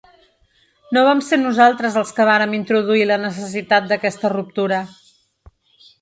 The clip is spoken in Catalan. No vam ser nosaltres els que vàrem introduir la necessitat d’aquesta ruptura.